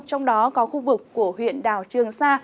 trong đó có khu vực của huyện đảo trường sa